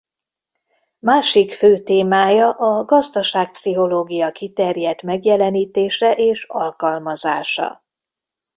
Másik fő témája a gazdaságpszichológia kiterjedt megjelenítése és alkalmazása.